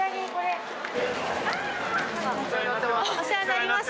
お世話になってます。